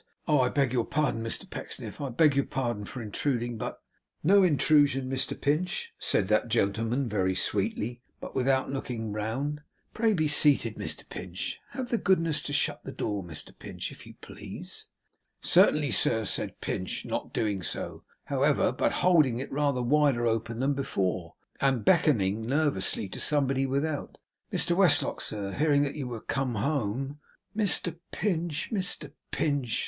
I beg your pardon, Mr Pecksniff: I beg your pardon for intruding; but ' 'No intrusion, Mr Pinch,' said that gentleman very sweetly, but without looking round. 'Pray be seated, Mr Pinch. Have the goodness to shut the door, Mr Pinch, if you please.' 'Certainly, sir,' said Pinch; not doing so, however, but holding it rather wider open than before, and beckoning nervously to somebody without: 'Mr Westlock, sir, hearing that you were come home ' 'Mr Pinch, Mr Pinch!